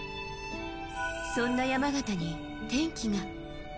そんな山縣に転機が。